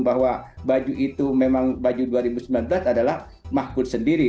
bahwa baju itu memang baju dua ribu sembilan belas adalah mahfud sendiri